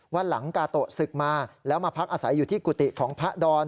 วันหลังกาโตะศึกมาแล้วมาพักอาศัยอยู่ที่กุฏิของพระดอน